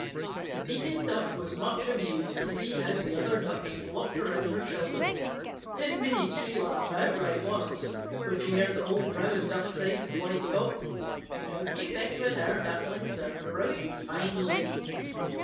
The Pekin Duck was much amused to see how the other Ducks flocked around her children. Indeed, she laughed outright once, when she heard the old Rouen Duck say to the White Cock, "Don't you think that our Ducklings are growing finely?"